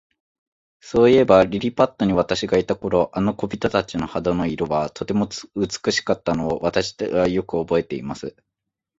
そういえば、リリパットに私がいた頃、あの小人たちの肌の色は、とても美しかったのを、私はよくおぼえています。